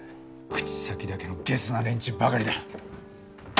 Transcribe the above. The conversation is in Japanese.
口先だけのゲスな連中ばかりだ。